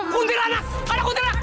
kuntiranak ada kuntiranak